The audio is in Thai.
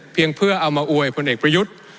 เพียงเพื่อเอามาอวยคนเอกประยุทธ